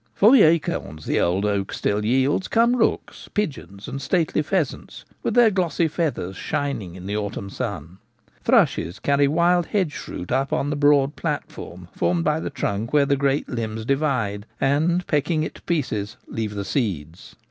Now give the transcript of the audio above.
For the acorns the old oak still yields come rooks,, pigeons, and stately pheasants, with their glossy feathers shining in the autumn sun. Thrushes carry wild hedge fruit up on the broad platform formed by the trunk where the great limbs divide, and, pecking it to pieces, leave the seeds.